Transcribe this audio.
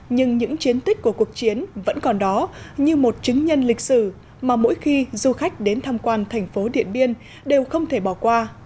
nhưng những chiến tích của cuộc chiến vẫn còn đó như một chứng nhân lịch sử mà mỗi khi du khách đến tham quan thành phố điện biên đều không thể bỏ qua